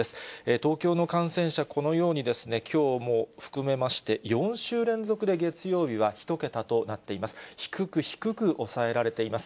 東京の感染者、このようにきょうも含めまして、４週連続で月曜日は１けたとなっています。